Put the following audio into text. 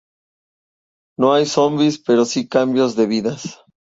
No hay zombis, pero si cambios de vidas.